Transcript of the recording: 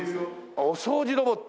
あっお掃除ロボット。